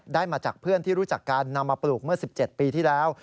มาจากเพื่อนที่รู้จักกันนำมาปลูกเมื่อ๑๗ปีที่แล้ว